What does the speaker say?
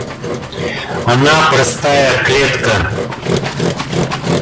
Она простая клетка.